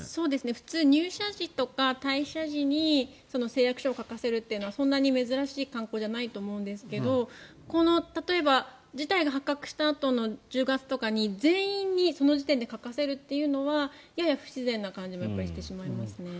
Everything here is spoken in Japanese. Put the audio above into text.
普通、入社時、退社時に誓約書を書かせるっていうのはそんなに珍しい慣行ではないと思うんですが例えば、事態が発覚したあとの１０月とかに全員にその時点で書かせるのはやや不自然な感じもしますね。